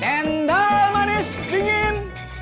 cendol manis dingin